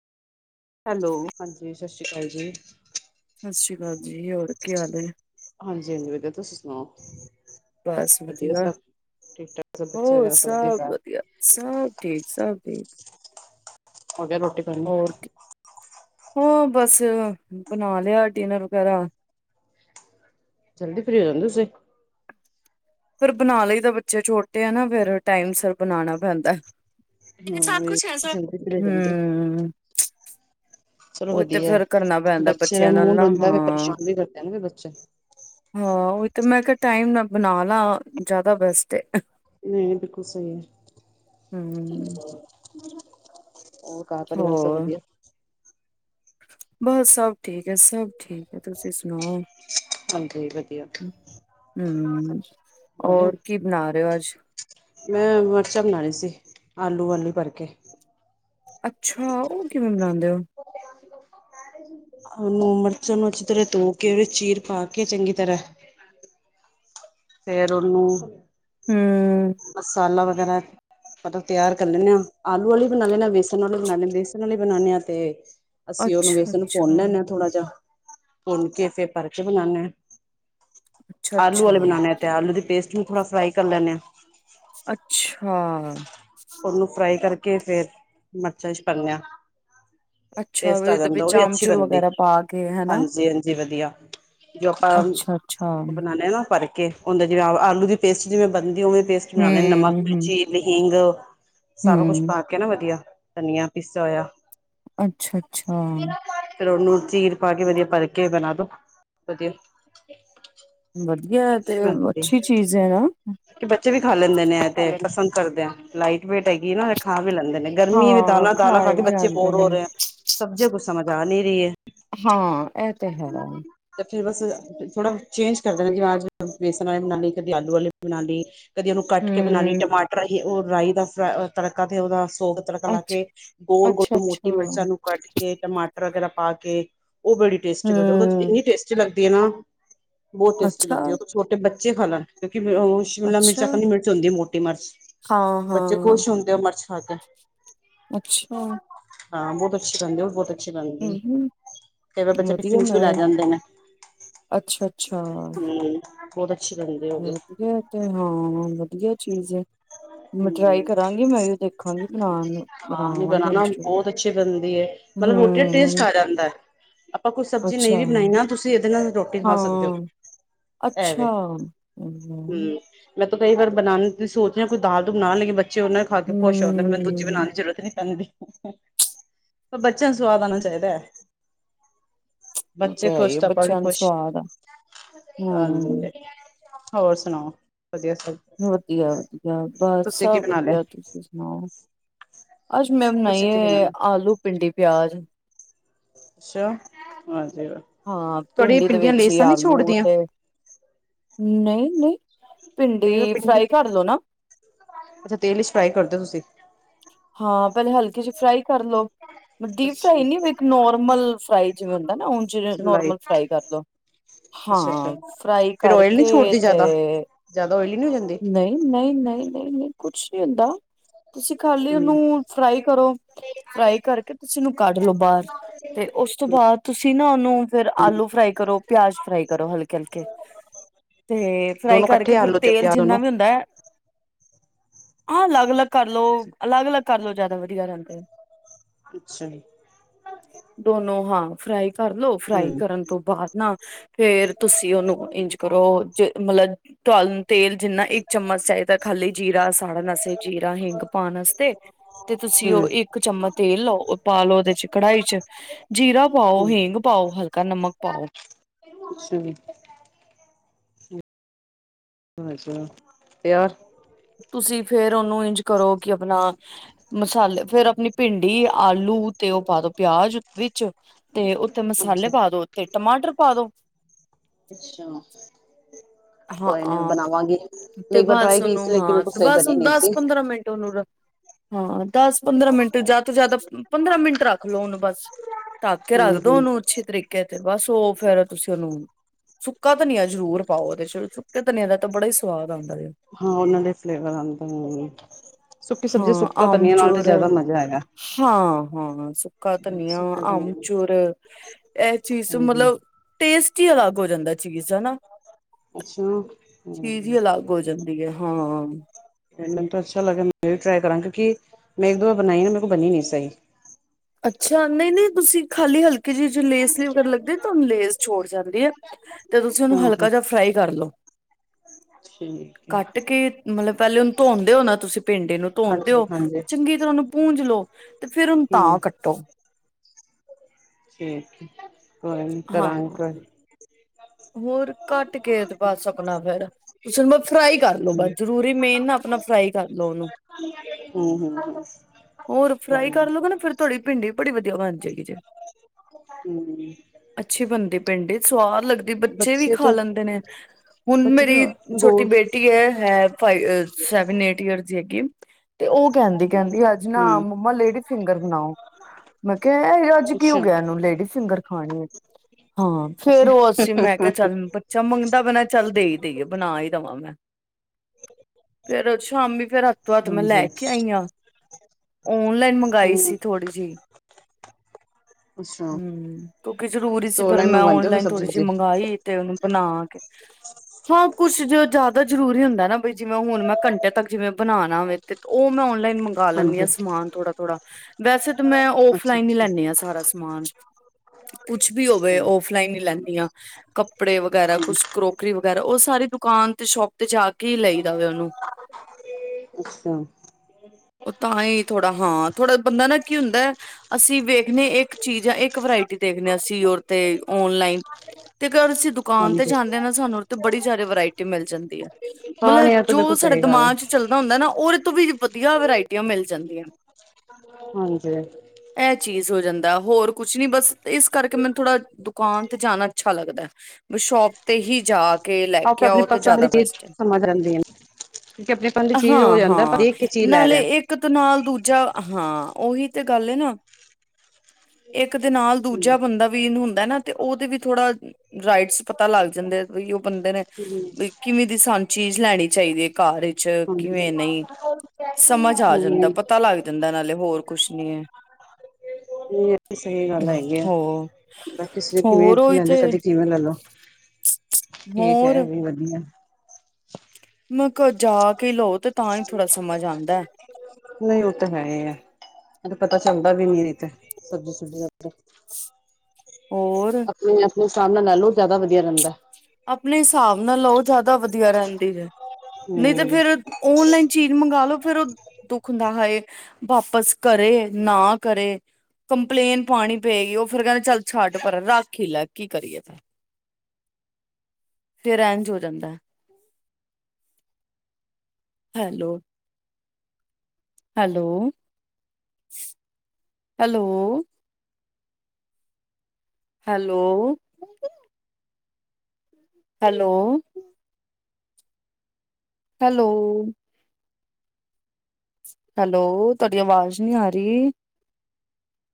Hello. ਹਾਂਜੀ ਸਸ਼੍ਰੀ ਕਾਲ ਜੀ। ਸਸ਼੍ਰੀ ਕਾਲ ਜੀ, ਹੋਰ ਕੀ ਹਾਲ ਏ? ਹਾਂਜੀ-ਹਾਂਜੀ ਵਦੀਆ, ਤੁਸੀ ਸੁਨਾਓ? ਬਸ ਵਦੀਆ, ਸਭ ਬੱਚੇ ਹੋਰ ਵਗੈਰਾ ਸਭ ਵਧੀਆ ਸਬ ਘਰ ਵਦੀਆ। ਸਬ ਠੀਕ, ਸਬ ਠੀਕ। ਹੋਗਯਾ ਰੋਟੀ ਪਾਣੀ ਹੋਰ ਕੀ, ਹੋ ਬਾੱਸ ਬਨਾ ਲਯਾ ਡਿਨਰ ਵਗੈਰਾ ਜਲਦੀ ਫ੍ਰੀ ਹੋ ਜਾਂਦੇੇ ਤੁਸੀ ਫੇਰ ਬਨਾ ਲਈ ਦਾ, ਬੱਚੇ ਛੋਟੇ ਆ ਨਾ ਫੇਰ ਟਾਈਮ ਸੇਰ ਬਨਾਨਾ ਪੈਂਦੈ। ਹਾਂ ਉਹੀ ਕੂਛ ਏਸਾ, ਜਲਦੀ ਫ੍ਰੀ ਹੋ ਜਾਂਦੇ ਹੋ, ਹੂੰ। ਚਲੋ ਓਈ ਤੇ ਵਧੀਆ ਫੇਰ ਕਰਨਾ ਪੈਂਦੈ ਬੱਚੇ ਦਾ ਬੱਚਆ ਨਾਲ ਮੂੰਹ ਨਾ, ਡੁੰਦਾ ਵੀ ਹਾਂ। ਪਰੇਸ਼ਾਨ ਵੀ ਕਰਦੇ ਨੇ ਫਿਰ ਬੱਚੇ ਹਾਂ ਉਹੀ ਤਾਂ ਮੈਂ ਕਿਹਾ ਟਾਈਮ ਨਾ ਬਣਾ ਲਾ ਜ਼ਿਆਦਾ ਬੈਸਟ ਏ। ਨਹੀਂ ਬਿਲਕੁਲ ਸਹੀ ਹੈ। ਹਮ ਔਰ ਘਰ ਪਰਿਵਾਰ ਬਸ ਵਧੀਆ? ਬ ਸਭ ਠੀਕ ਹੈ ਸਭ ਠੀਕ ਹੈ, ਤੁਸੀਂ ਸੁਣਾਓ? ਹਾਂਜੀ ਵਧੀਆ। ਹੂੰ ਹੋ ਗਿਆ ਔਰ ਕੀ ਬਣਾ ਰਹੇ ਹੋ ਅੱਜ? ਮੈਂ ਮਰਚਾਂ ਬਣਾਰੀ ਸੀ ਆਲੂ ਆਲੀ ਪਾਰ ਕੇ। ਅੱਛਾ ਉਹ ਕਿਵੇਂ ਬਣਾਦੇ ਔ? ਅ ਨੂੰ ਮਿਰਚਾਂ ਨੂੰ ਅੱਛੀ ਤਰ੍ਹਾਂ ਤੋ ਕੇ ਵੀਚ ਚੀਰ ਪਾ ਕੇ ਚੰਗੀ ਤਰ੍ਹੈ। ਫੇਰ ਉਹਨੂੰ ਹੁੰ, ਮਸਾਲਾ ਵਗੈਰਾ ਮਤਲਬ ਤਿਆਰ ਕਰ ਲੈਂਣੇ ਆ ਆਲੂ ਵਾਲੀ ਬਣਾ ਲੈਂਣੇ ਆ ਬੇਸਣ ਵਾਲੀ ਬਣਾ ਲ ਬੇਸਣ ਵਾਲੀ ਬਣਾਦੇ ਹਾਂ ਤੇ ਅਸੀਂ ਉਹਨੂੰ ਅੱਛਾ ਵੇਸਨ ਭੁੰਨ ਅੱਛਾ ਲੈਂਨੈ ਥੋੜਾ ਜਾ ਭੁੰਨ ਕੇ ਫੇਰ ਪਰ ਕੇ ਬਣਾਣੈ। ਅੱਛਾ ਆਲੂ ਅੱਛਾ ਵਾਲੇ ਬਣਾਨਣੇ ਆ ਤੇ ਆਲੂ ਦੀ ਪੇਸਟ ਨੂੰ ਥੋੜ੍ਹਾ ਫਰਾਈ ਕਰ ਲੈਣੇ ਆ। ਅੱਛਾ। ਉਹਨੂੰ ਫਰਾਈ ਕਰਕੇ ਫੇਰ ਮਰਚਾਂ ਚ ਪਰਨੇਆ। ਅੱਛਾ ਟਸਟ ਆ ਉਹਦੇ ਜਾਂਦਾ ਉਹ ਵਿੱਚ ਵੀ ਅੱਛੀ ਆਮਚੂਰ ਬਣਦੀ ਵਗੈਰਾ ਪਾ ਕੇ ਹਨਾ ਹਾਂਜੀ-ਹਾਂਜੀ ਵਧੀਆ। ਜੋ ਆਪਾਂ ਅੱਛਾ ਅੱਛਾ ਉਹ ਹਮ ਬਣਾਣੇ ਆ ਨਾ ਪਾਰ ਕੇ ਉਹਦਾ ਜਿਵੇਂ ਆਲੂ ਦੀ ਪੇਸਟ ਜਿਵੇਂ ਬਣਦੀ ੳਵੇਂ ਪੇਸਟ ਬਣਾਣੇ ਨਮਕ, ਹਮ ਮਿਰਚੀ, ਲਹਿੰਗ ਸਾਰਾ ਕੁਛ ਹਮ ਪਾ ਕੇ ਨਾ ਵਧੀਆ ਧਨੀਆ ਪੀਸਾ ਹੋਇਆ। ਅੱਛਾ-ਅੱਛਾ ਫੇਰ ਉਹਨੂੰ ਚੀਰ ਪਾ ਕੇ ਵਧੀਆ ਪਕੇ ਬਣਾ ਦੋ ਵਧੀਆ। ਵਧੀਆ ਹੈ, ਤੇ ਅੱਛੀ ਬਾਂਦੀ ਅੱਛੀ ਚੀਜ਼ ਹੈ ਨਾ ਕਿ ਬੱਚੇ ਵੀ ਖਾ ਲੈਂਦੇ ਨੇ ਐ ਖਾ ਤੇ ਲੈਣ। ਪਸੰਦ ਕਰਦੇ ਆ ਲਾਈਟ ਵੇਟ ਹੈਗੀ ਐ ਨਾ ਖਾ ਵੀ ਲੈਂਦੇ ਨੇ ਗਰਮੀ ਵੀ ਹਾਂ ਦਾਲਾਂ-ਦਾਲਾਂ ਖਾ ਖਾਏ ਕੇ ਬੱਚੇ ਜਾਂਦੇ ਬੋਰ ਨੇ ਹੋ ਰਹੇ ਐ। ਸਬਜ਼ੀਆਂ ਕੁਛ ਸਮਝ ਆ ਨੀ ਰਹੀ ਹੈ। ਹੁੰ ਇਹ ਤੇ ਹੈ। ਤੇ ਫੇਰ ਬਸ ਥੋੜਾ ਚੇਂਜ ਕਰਦੇ ਰੇਣ ਜੇੰਜ ਬੇਸਨ ਵਾਲੇ ਬਣਾ ਲਈ ਕਦੇ ਆਲੂ ਵਾਲੀ ਵੀ ਬਣਾ ਲਈ। ਕਦੀ ਉਹਨੂੰ ਕੱਟ ਕੇ ਬਣਾ ਲਈ ਟਮਾਟਰ ਹੀ ਉਹ ਰਾਈ ਦਾ ਫ ਤੜਕਾ ਤੇ ਉਹਦਾ ਤੜਕਾ ਲਾ ਅੱਛਾ ਕੇ ਅੱਛਾ ਗੋਲ-ਗੋਲ ਅੱਛਾ ਮੋਟੀ ਮਰਚਾਂ ਨੂੰ ਕੱਟ ਕੇ ਟਮਾਟਰ ਵਗੈਰਾ ਪਾ ਕੇ ਉਹ ਬੜੀ ਟੇਸਟੀ, ਹਮ ਇਨੀ ਟੇਸਟੀ ਲੱਗਦੀ ਹੈ ਨਾ ਬਹੁਤ ਟੇਸਟੀ ਅੱਛਾ ਲੱਗਦੀ ਹੈ ਉਹ ਛੋਟੇ ਬੱਚੇ ਖਾ ਲੈਣ ਕਿਉਂਕਿ ਉਹ ਸ਼ਿਮਲਾ ਮਿਰਚ ਅੱਛਾ ਅਕਨ ਦੀ ਮਿਰਚ ਹੁੰਦੀ ਮੋਟੀ ਮਿਰਚ ਹਾਂ ਬੱਚੇ ਹਾਂ ਖੁਸ਼ ਹੁੰਦੇ ਉਹ ਮਿਰਚ ਖਾ ਕੇ। ਅੱਛਾ। ਹਾਂ ਬਹੁਤ ਅੱਛੀ ਬਣਦੀ ਉਹ ਵੀ ਬਹੁਤ ਅੱਛੀ ਬਣਦੀ ਹੂੰ ਕਈ ਵਾਰ ਬੱਚਾ ਵਧੀਆ [unintelligible] ਮੈਂ ਲੈ ਜਾਂਦੇ ਨੇ ਹੂੰ ਬਹੁਤ ਅੱਛੀ ਲੱਗਦੀ। ਏਤੇ ਹਾਂ ਵਧੀਆ ਚੀਜ਼ ਐ। ਮੈਂ ਟਰਾਈ ਹਮ ਕਰਾਂਗੀ ਮੈਂ ਵੀ ਦੇਖਾਂਗੀ ਬਣਾਣ ਹਾਂ ਨਹੀਂ ਬਣਾਵਾਂਗੀ‌ ਬਣਾਨਾ ਬਹੁਤ ਅੱਛੀ ਬਣਦੀ ਏ ਮਤਲਬ ਰੋਟੀ ਦਾ ਟੇਸਟ ਹੁੰ ਆ ਜਾਂਦਾ ਐ। ਆਪਾਂ ਕੋਈ ਸਬਜ਼ੀ ਨਹੀਂ ਵੀ ਬਣਾਈ ਨਾ ਤੁਸੀਂ ਇਹਦੇ ਨਾਲ ਰੋ ਹਾਂ ਅੱਛਾ ਹੂੰ। ਮੈਂ ਤਾਂ ਕਈ ਬਨਾਉਣ ਦਾ ਸੋਗ ਰਹੀ ਕੋਈ ਦਾਲ ਦ ਬਣਾ ਲੇ ਬੱਚੇ [unintelligible] ਪਰ ਬੱਚਿਆਂ ਨੂੰ ਸਵਾਦ ਆਉਣਾ ਚਾਹੀਦਾ ਹੈ ਉਹ ਬੱਚੇ ਤੇ ਹੈ ਖੁਸ਼ ਹੀ ਤਾਂ ਆਪਾਂ ਵੀ ਬੱਚਿਆਂ ਨੂੰ ਖੁਸ਼ ਸਵਾਦ ਆ ਹੂੰ ਹਾਂਜੀ ਹੋਰ ਸੁਣਾਓ ਵਧੀਆ ਵਧੀਆ ਵਧੀਆ ਬਸ ਤੁਸੀਂ ਕੀ ਸਭ ਬਣਾ ਲਿਆ ਵਧੀਆ ਤੁਸੀਂ ਸੁਣਾਓ ਅੱਜ ਮੈਂ ਬਣਾਈ ਤੁਸੀਂ ਕੀ ਬਣਾ ਹੈ ਲਿਆ ਆਲੂ ਭਿੰਡੀ ਪਿਆਜ ਅੱਛਾ ਹਾਂਜੀ ਹਾਂ ਤੁਹਾਡੀਆਂ ਭਿੰਡੀ ਦੇ ਪਿੰਡੀਆਂ ਵਿੱਚ ਹੀ ਲੇਸਾਂ ਨੀ ਆਲੂ ਛੋੜਦੀਆਂ ਤੇ ਨਹੀਂ ਨਹੀਂ ਕਈ ਵਾਰ ਪਿੰਡੀ ਅੱਛਾ ਤੇਲ ਵਿਚ ਫਰਾਈ ਕਰਦੇ ਤੁਸੀਂ ਹਾਂ ਪਹਿਲੇ ਹਲਕੇ ਚ ਫਰਾਈ ਕਰ ਲੋ ਡੀਪ ਅੱਛਾ, ਫਰਾਈ ਨੀ ਇੱਕ ਨੋਰਮਲ ਫਰਾਈ [unintelligible] ਜਿਵੇ ਅੱਛਾ ਨੋਰਮਲ ਲਾਈਟ ਫਰਾਈ ਕਰਦੋ ਅੱਛਾ, ਅੱਛਾ ਹਾਂ ਫਰਾਈ ਫੇਰ ਓਇਲ ਨੀ ਕਰਕੇ ਛੋੜਦੀ ਤੇ ਜ਼ਿਆਦਾ। ਜ਼ਿਆਦਾ ਉਇਲੀ ਨੀ ਹੋ ਜਾਂਦੀ ਨਹੀਂ ਨਹੀਂ ਨਹੀਂ ਨਹੀਂ ਨਹੀਂ ਕੁਛ ਨੀ ਹੁੰਦਾ ਤੁਸੀਂ ਖਾਲੀ ਹੂੰ, ਉਹਨੂੰ ਫਰਾਈ ਕਰੋ ਫਰਾਈ ਕਰਕੇ ਤੁਸੀਂਨੂੰ ਕੱਢ ਲਓ ਉਹਨੂ ਬਾਹਰ ਤੇ ਉਸ ਤੋਂ ਹੂੰ ਬਾਅਦ ਤੁਸੀਂ ਨਾ ਉਹਨੂੰ ਫੇਿਰ ਆਲੂ ਫਰਾਈ ਕਰੋ ਪਿਆਜ ਫਰਾਈ ਕਰੋ ਹਲਕੇ ਹਲਕੇ ਤੇ ਫਰਾਈ ਦੋਨੋ ਕਰਕੇ ਇਕੱਠੇ ਫਿਰ ਆਲੂ ਤੇ ਤੇਲ ਪਿਆਜ ਜਿੰਨਾ ਦੋਨੋ ਵੀ ਹੁੰਦਾ ਆਹ ਅਲੱਗ ਅਲੱਗ ਕਰਲਓ ਅੱਛਾ ਅਲੱਗ ਅਲੱਗ ਘਰਲੋ ਜਿਆਦਾ ਵਧੀਆ ਰਹਿੰਦੇ ਆ ਅੱਛਾ ਦੋਨੋ ਹਾਂ ਫਰਾਈ ਕਰ ਲੋ ਫਰਾਈ ਹੂੰ, ਕਰਨ ਤੋਂ ਬਾਅਦ ਨਾ ਫੇਰ ਤੁਸੀਂ ਉਹਨੂੰ ਇੰਜ ਕਰੋ ਜੇ ਮਤਲਬ ਟਲ ਤੇਲ ਜਿੰਨਾ ਇੱਕ ਚਮਚ ਚਾਹੀਦਾ ਖਾਲੀ ਜੀਰਾ ਸਾੜਾਨ ਵਸਤੇ ਜੀਰਾ ਹਿੰਗ ਪਾਉਣ ਵਾਸਤੇ ਤੇ ਤੁਸੀਂ ਹੂੰ, ਉਹ ਇੱਕ ਚਮਚ ਤੇਲ ਲਓ ਪਾ ਲੋ ਉਹਦੇ ਚ ਕੜਹੀ ਚ ਜੀਰਾ ਪਾਓ ਹੂੰ ਹਿੰਂਗ ਪਾਓ ਹਲਕਾ ਨਮਕ ਪਾਓ ਠੀਕ ਅੱਛਾ ਤੇ [unintelligible] ਤੁਸੀਂ ਫੇਰ ਉਹਨੂੰ ਇੰਜ ਕਰੋ ਕਿ ਆਪਣਾ ਮਸਾਲੇ ਫੇਰ ਆਪਣੀ ਭਿੰਡੀ ਆਲੂ ਤੇ ਉਹ ਪਾ ਦੋ ਪਿਆਜ ਵਿੱਚ ਤੇ ਉੱਤੇ ਮਸਾਲੇ ਅੱਛਾ, ਪਾ ਦੋ ਤੇ ਟਮਾਟਰ ਪਾ ਦੋ ਅੱਛਾ ਕੋਈ ਨੀ ਮੈਂ ਹਾਂ ਬਣਾਵਾਂਗੀ। ਮੈਂ ਤੇ ਇੱਕ ਵਾਰ ਬਸ ਟਰਾਈ ਕੀ ਉਹਨੂੰ ਸੀ ਲੇਕਿਨ ਹਾਂ ਮੇਰੇ ਕੋਲ ਸਹੀ ਬਸ ਬਣੀ ਉਹਨੂੰ ਨਹੀਂ ਦਸ ਸੀ ਪੰਦਰਾਂ ਮਿੰਟ ਉਹਨੂੰ ਹਾਂ ਦਸ ਪੰਦਰਾਂ ਮਿੰਟ ਜ਼ਿਆਦਾ ਤੋਂ ਜ਼ਿਆਦਾ ਪੰਦਰਾਂ ਮਿੰਟ ਰੱਖ ਲੋਓ ਹਨੂੰ ਬਸ ਤੱਕ ਕੇ ਰੱਖ ਹੂੰ, ਦਿਉ ਹੂੰ ਉਹਨੂੰ ਅੱਛੇ ਤਰੀਕੇ ਤੇ ਬਸ ਉਹ ਫੇਰ ਤੁਸੀਂ ਉਹਨੂੰ ਸੁੱਕਾ ਤਨੀਆ ਜਰੂਰ ਪਾਓ ਉਹਦੇ ਚ [unintelligible] ਹੈ ਹਾਂ [unintelligible] ਸੁੱਕੀ ਸਬਜ਼ੀ ਹਾਂ ਸੁੱਕਾ ਧਨੀਆ ਨਾਲ ਤੇ ਆਮਚੂਰ ਜਿਆਦਾ ਮਜ਼ਾ ਹੈਗਾ ਹਾਂ ਹਾਂ ਸੁੱਕਾ ਧਨੀਆ ਸੁੱਕਾ ਧਨੀਆ ਆਮਚੁਰ ਇਹ ਚੀਜ਼ ਹਾਂਜੀ ਮਤਲਬ ਟੇਸਟ ਹੀ ਅਲੱਗ ਹੋ ਜਾਂਦਾ ਚੀਜ਼ ਦਾ ਨਾ ਅੱਛਾ ਚੀਜ਼ ਹੂੰ ਹੀ ਅਲੱਗ ਹੋ ਜਾਂਦੀ ਹੈ ਹਾਂ ਮੈਨੂੰ ਤਾਂ ਅੱਛਾ ਲੱਗਿਆ ਮੈਂ ਵੀ ਟਰਾਈ ਕਰਾਂਗੀ ਕਿਉਂਕਿ ਮੈਂ ਇੱਕ ਦੋ ਵਾਰ ਬਣਾਈ ਨਾ ਮੇ ਕੋ ਬਣੀ ਨੀ ਸਈ। ਅੱਛਾ ਨਈ-ਨਈ ਤੁਸੀ ਖਾਲੀ ਹਲਕੀ ਜਿਹੇ ਲੇਸ ਲੱਗਦੇ ਤੁਾਨ ਲੇਸ ਛੋੜ ਜਾਂਦੀ ਏ। ਤੇ ਤੁਸੀਂ ਉਨੂੰ ਹਾਂਜੀ ਹਲਕਾ ਜਿਹਾ ਫਰਾਈ ਕਰ ਲਓ। ਠੀਕ ਹੈ ਕੱਟ ਕੇ ਮਤਲਬ ਪੈਲੇ ਉਨੂੰ ਧੋਂਦੇ ਹੋ ਨਾ ਤੁਸੀਂ ਪਿੰਡੀ ਨੂੰ ਧੋਣਦੇ ਹਾਂਜੀ ਹੋ ਹਾਂਜੀ ਚੰਗੀ ਤਰ੍ਹਾਂ ਉਨੂੰ ਪੂੰਜ ਲੋ ਤੇ ਫਿਰ ਉਨੂੰ ਹਮ ਤਾਂ ਕੱਟੋ। ਠੀਕ ਕੋਈ ਨੀ ਹਾਂ ਤਰਾਂਕ ਹੋਰ ਘੱਟ ਕੇ ਤੇ ਬਸ ਆਪਣਾ ਫਿਰ ਤੁਸੀਂ ਉਨੂੰ ਫਰਾਈ ਕਰ ਲੋ ਕੋਈ ਬਸ ਜ਼ਰੂਰੀ ਮੇਨ ਨਾ ਆਪਣਾ ਫਰਾਈ ਕਰ ਲਓ ਉਨੂੰ ਹੂੰ-ਹੂੰ-ਹੂੰ ਹੋਰ ਫਰਾਈ ਕਰ ਲੋ ਗੇ ਨਾ ਫਿਰ ਤੁਹਾਡੀ ਭਿੰਡੀ ਬੜੀ ਵਧੀਆ ਬਣ ਜਾਏਗੀ ਜੇ। ਹੂੰ, ਅੱਛੀ ਬਣਦੀ ਪਿੰਡੀ ਸਵਾਦ ਲਗਦ ਹਮ ਬੱਚੇ ਵੀ ਖਾ ਤਾਂ ਲੈਂਦੇ ਨੇ ਹੁਣ ਬੱਚੇ ਮੇਰੀ ਤਾਂ ਛੋਟੀ ਗੋਲ ਬੇਟੀ ਐ ਹੈ। ਫ ਸੈਵਨ ਏਟ ਈਅਰ ਹੈਗੀ ਤੇ ਓ ਕੈਂਦੀ- ਕੈਂਦੀ ਅੱਜ ਨਾ ਹਮ ਮੰਮਾ ਲੇਡੀ ਫਿੰਗਰ ਬਣਾਓ ਮੈਂ ਕਿਆ ਅੱਜ ਕੀ ਹੋ ਅੱਛਾ ਗਿਆ ਇਨੂੰ ਲੇਡੀ ਫਿੰਗਰ ਖਾਣੀ ਏ। ਹਾਂ ਅੱਛਾ ਫਿਰ ਓ ਅਸੀਂ ਮੈਂ ਕਿਆ ਚੱਲ ਬੱਚਾ ਮੰਗਦਾ ਬੈ ਚੱਲ ਦੇਈ ਦੇਈਏ ਬਣਾ ਹੀ ਦਵਾਂ ਮੈਂ ਫਿਰ ਸ਼ਾਮੀ ਫਿਰ ਤੋਂ ਮੈਂ ਹਾਂਜੀ ਲੈ ਕੇ ਆਈ ਹਮ ਆਂ ਓਨਲਾਈਨ ਮੰਗਾਈ ਸੀ ਥੋੜ੍ਹੀ ਜਿਹੀ ਅੱਛਾ ਹੂੰ ਕਿਉਂਕਿ ਜਰੂਰੀ ਸੀ ਸਟੋਰ ਫਿਰ ਲਾਈਨ ਮੈਂ ਮੰਗਵਾਉਂਦੇ ਹੋਗੇ ਓਨਲਾਈਨ ਸਬਜ਼ੀ ਥੋੜੀ ਜਿਹੀ ਸੁਬਜੀ ਮੰਗਾਈ ਤੇ ਉਨੂੰ ਬਣਾ ਕੇ [inaudible] ਹਾਂ ਕੁਛ ਜਾਦਾ ਜ਼ਰੂਰੀ ਹੁੰਦਾ ਨਾ ਬਈ ਜਿਵੇਂ ਹੁਣ ਮੈਂ ਘੰਟੇ ਤੱਕ ਜਿਵੇਂ ਬਣਾਣਾ ਵੇ ਤੇ ਓ ਮੈਂ ਓਨਲਾਈਨ ਮੰਗਾਂ ਲੈਣੀ ਆਂ ਹਾਂਜੀ ਸਮਾਨ ਥੋੜਾ-ਥੋੜਾ ਵੈਸੇ ਮੈਂ ਅੱਛਾ ਔਫਲਾਈਨ ਹੀ ਅੱਛਾ ਲੈਣੀ ਆਂ ਸਾਰਾ ਸ ਸਮਾਨ ਕੁਛ ਵੀ ਅੱਛਾ ਹੋਵੇ ਔਫਲਾਈਨ ਈ ਲੈਂਣੇ। ਕੱਪੜੇ ਵਗੈਰਾ ਹੂੰ ਕੁਛ ਕਰੋਕਰੀ ਵਗੈਰਾ ਓ ਸਾਰੀ ਦੁਕਾਨ ਤੇ ਸ਼ੋਪ ਤੇ ਜਾ ਕੇ ਕੀ ਲਈ ਦਾ ਵੇ ਉਨੂੰ ਅੱਛਾ ਓ ਤਾਂ ਹੀ ਥੋੜਾ ਹਾਂ ਥੋੜਾ ਬੰਦਾ ਨਾ ਕੀ ਹੁੰਦਾ ਐ। ਅਸੀਂ ਵੇਖਣੇ ਇੱਕ ਚੀਜ਼ ਜਾਂ ਇੱਕ ਵਰਾਇਟੀ ਦੇਖਦੇ ਅਸੀਂ ਔਰ ਤੇ ਓਨਲਾਈਨ ਤੇ ਅਗਰ ਅਸੀਂ ਦੁਕਾਨ ਤੇ ਹਾਂਜੀ ਜਾਂਦੇ ਹ ਨਾ ਸਾਨੂੰ ਉ ਬੜੀ ਸਦਾ ਵਰਾਇਟੀ ਮਿਲ ਜਾਂਦੀ ਐ। ਹਾਂ ਨਹੀਂ ਇਹ ਮਤਲਬ ਤਾਂ ਜੋ ਬਿਲਕੁਲ ਸਾਡੇ ਸਹੀ ਗੱਲ ਦਿਮਾਗ 'ਚ ਚੱਲਦਾ ਹੁੰਦਾ ਨਾ ਉਦੇ ਤੋਂ ਵੀ ਵਧੀਆ ਵਰਾਇਟੀਆਂ ਮਿਲ ਜਾਂਦੀਆਂ। ਹਾਂਜੀ ਐ ਚੀਜ਼ ਹੋ ਜਾਂਦਾ ਹੋਰ ਕੁਛ ਨੀ ਬਸ ਇਸ ਕਰਕੇ ਮੈਨੂੰ ਥੋੜਾ ਦੁਕਾਨ ਤੇ ਜਾਣਾ ਅੱਛਾ ਲੱਗਦਾ ਵੀ ਸ਼ੋਪ ਤੇ ਹੀ ਜਾ ਕੇ ਲੈ ਆਪ ਕੇ ਆਪਣੀ ਆਓ ਤੇ ਪਸੰਦ ਜਾਦਾ ਦੀ ਚੀਜ਼ ਬੈਸਟ ਏ। ਸਮਝ ਆਂਦੀ ਹੈ ਕਿਉਂਕਿ ਆਪਣੇ ਪਨ ਦੀ ਚੀਜ਼ ਹੋ ਜਾਂਦਾ ਆਪਾਂ ਹਾਂ-ਹਾਂ ਦੇਖ ਕੇ ਚੀਜ਼ ਲੈ ਨਾਲੇ ਰਹੇ ਇੱਕ ਤੇ ਇਕ ਤਾ ਨਾਲ ਦੂਜਾ ਹਾਂ ਉਹੀ ਤੇ ਗੱਲ ਏ ਨਾ। ਇੱਕ ਦੇ ਨਾਲ ਦੂਜਾ ਹਾਂਜੀ ਬੰਦਾ ਵੀ ਇਨੂੰ ਹੁੰਦਾ ਨਾ ਤੇ ਉਦੇ ਵੀ ਥੋੜਾ ਰਾਈਟਸ ਪਤਾ ਲੱਗ ਜਾਂਦੇ ਬਈ ਓ ਬੰਦੇ ਨੇ ਵੀ ਕਿਵੇਂ ਦੀ ਸਾਨੂੰ ਚੀਜ਼ ਲੈਣੀ ਚਾਈਦੀ। ਘਾਰ 'ਚ ਹਮ ਕਿਵੇਂ ਨਈ ਸਮਝ ਆ ਜਾਂਦਾ ਪਤਾ ਲੱਗ ਜਾਂਦਾ ਨਾਲੇ ਹੋਰ ਕੁਛ ਨੀ ਐ। ਨਈ ਐ ਸਈ ਗੱਲ ਹੈਗੀ ਐ। ਹੋ ਕਿਸੇ ਕਿਵੇਂ ਹੋਰ ਉਹੀ ਲੈ ਲੋ ਤੇ ਕਦੇ ਕਿਵੇਂ ਲੈਲੋ ਠੀਕ ਐ ਹੋਰ ਵੀ ਵਧੀਆ ਮੈਂ ਕੋ ਜਾ ਕੇ ਲਓ ਤੇ ਤਾਂ ਹੀ ਥੋੜਾ ਸਮਝ ਆਂਦਾ। ਨਈ ਓ ਤੇ ਹੈ ਈ ਐ ਨਈ ਤੇ ਪਤਾ ਚਲਦਾ ਵੀ ਨੀ ਤੇ ਸਬਜ਼ੀ ਸੁਬਜੀ ਦਾ ਹੋਰ ਉ ਆਪਣੇ ਹਿਸਾਬ ਨਾਲ ਹੋ ਜ਼ਿਆਦਾ ਵਧੀਆ ਰਹਿੰਦਾ। ਆਪਣੇ ਹਿਸਾਬ ਨਾਲ ਲਓ ਜ਼ਿਆਦਾ ਵਧੀਆ ਰਹਿੰਦੀ ਹੈ ਨੀ ਤੇ ਹਮ ਫੇਰ ਓਨਲਾਈਨ ਚੀਜ਼ ਮੰਗਾ ਲੋ ਫੇਰ ਉਹ ਦੁੱਖ ਹੁੰਦਾ ਹਾਏ। ਵਾਪਸ ਕਰੇ ਨਾ ਕਰੇ। ਕੰਪਲੇਨ ਪਾਣੀ ਪਏਗੀ ਉਹ ਫਿਰ ਕਹਿੰਦੇ ਚੱਲ ਛੱਟ ਪਰੇ ਰੱਖ ਹੀ ਲੈ ਕੀ ਕਰੀਏ ਫ ਫਿਰ ਇੰਝ ਹੋ ਜਾਂਦਾ, hello. Hello hello. Hello. Hello. Hello. Hello, ਤੁਹਾਡੀ ਅਵਾਜ਼ ਨੀ ਆ ਰਹੀ।